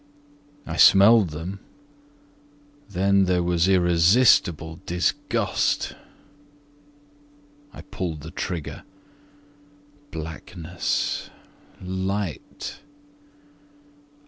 I smelled them ... then there was irresistible disgust. I pulled the trigger ... blackness ... light